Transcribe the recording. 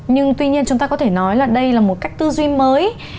nhưng tuy nhiên chúng ta có thể nói là đây là một cách tư duy mới